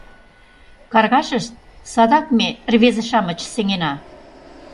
Каргашышт, садак ме, рвезе-шамыч, сеҥена.